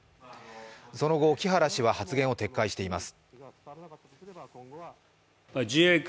その後、木原氏は発言を撤回しています。